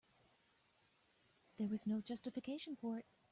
There was no justification for it.